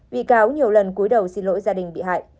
bị cáo nhiều lần cuối đầu xin lỗi gia đình bị hại